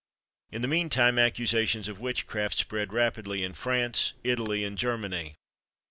In the mean time, accusations of witchcraft spread rapidly in France, Italy, and Germany.